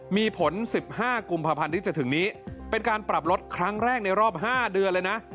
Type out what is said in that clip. มีผล๑๕กุมภาพันธ์ที่จะถึงนี้เป็นการปรับลดครั้งแรกในรอบ๕เดือนเลยนะ